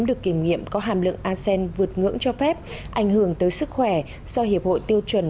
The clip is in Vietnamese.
được kiểm nghiệm có hàm lượng asean vượt ngưỡng cho phép ảnh hưởng tới sức khỏe do hiệp hội tiêu chuẩn